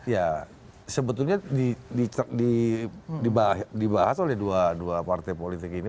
ya sebetulnya dibahas oleh dua partai politik ini